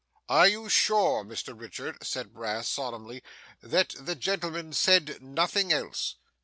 'Are you sure, Mr Richard,' said Brass, solemnly, 'that the gentleman said nothing else?